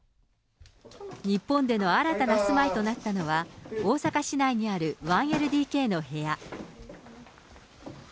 日本での新たな住まいとなったのは、大阪市内にある１ＬＤＫの部屋。